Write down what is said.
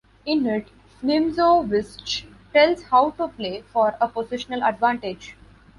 In it, Nimzowitsch tells how to play for a positional advantage.